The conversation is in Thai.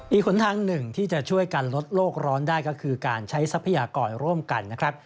หนทางหนึ่งที่จะช่วยกันลดโลกร้อนได้ก็คือการใช้ทรัพยากรร่วมกันนะครับ